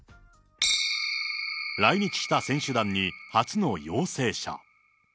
来日した選手団に初の陽性者。